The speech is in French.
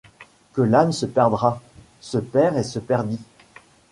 Que l’âme se perdra, se perd et se perdit